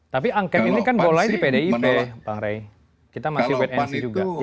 tapi angket ini kan boleh di pdip pak rey